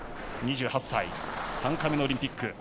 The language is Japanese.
２８歳、３回目のオリンピック。